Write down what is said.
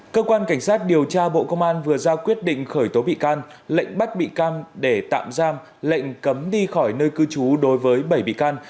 cơ quan cảnh sát điều tra bộ công an vừa ra quyết định khởi tố bị can lệnh bắt bị can để tạm giam lệnh cấm đi khỏi nơi cư trú đối với bảy bị can